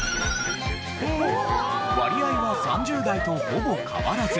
割合は３０代とほぼ変わらず。